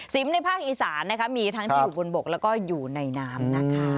ในภาคอีสานนะคะมีทั้งที่อยู่บนบกแล้วก็อยู่ในน้ำนะคะ